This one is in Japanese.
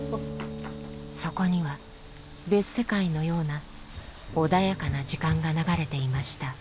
そこには別世界のような穏やかな時間が流れていました